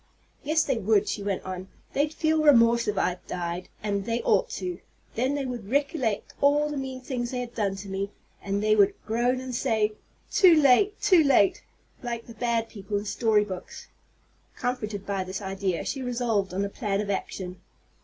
"Yes, they would," she went on. "They'd feel remorse if I died, and they ought to. Then they would recollect all the mean things they've done to me, and they would groan, and say, 'Too late too late!' like the bad people in story books." Comforted by this idea, she resolved on a plan of action.